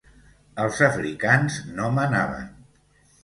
Els africans no manaven.